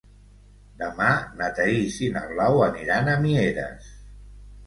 Demà na Thaís i na Blau aniran a Mieres.